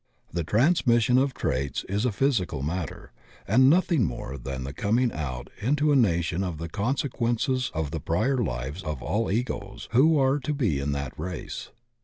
The transmission of traits is a physical matter, and nothing more than the coming out into a nation of the consequences of the prior fives of all Egos who are to be in that race.